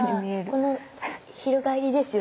この広がりですよね。